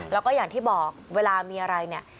แล้วก็อย่างที่บอกเวลามีอะไรเนี่ย